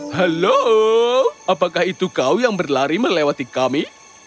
halo apakah itu kau yang berlari melewati kami